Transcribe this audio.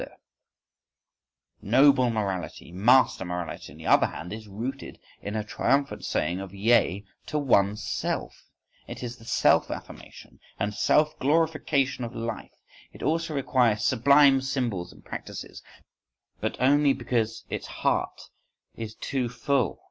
_ Noble morality, master morality, on the other hand, is rooted in a triumphant saying of yea to one's self,—it is the self affirmation and self glorification of life; it also requires sublime symbols and practices; but only "because its heart is too full."